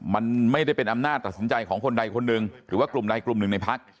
มันไม่ได้เป็นอำนาจตัดสินใจของคนใดคนหนึ่งหรือว่ากลุ่มใดกลุ่มหนึ่งในพัก